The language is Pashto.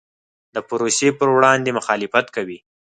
د پروسې پر وړاندې مخالفت کوي.